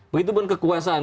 begitu pun kekuasaan